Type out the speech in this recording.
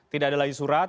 tidak ada lagi surat